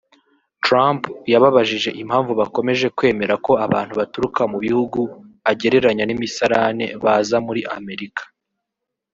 Trump yababajije impamvu bakomeje kwemera ko abantu baturuka mu bihugu agereranya n’imisarane baza muri Amerika